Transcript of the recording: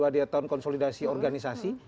dia tahun konsolidasi organisasi